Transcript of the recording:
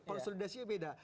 konsolidasi yang beda